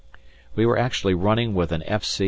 We were actually running with an F.C.